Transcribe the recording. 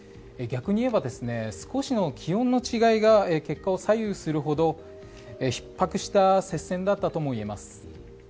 逆に言えば少しの気温の違いが結果を左右するほどひっ迫した接戦だったとも言えます。